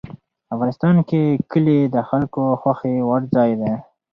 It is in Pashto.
افغانستان کې کلي د خلکو خوښې وړ ځای دی.